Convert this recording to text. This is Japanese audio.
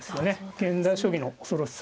現代将棋の恐ろしさ。